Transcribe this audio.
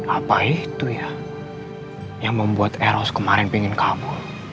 apa itu ya yang membuat eros kemarin pingin kamu